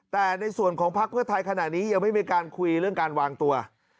แต่ในส่วนของพักเพื่อไทยขณะนี้ยังไม่มีการคุยเรื่องการวางตัว